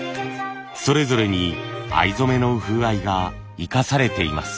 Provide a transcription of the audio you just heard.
それぞれに藍染めの風合いが生かされています。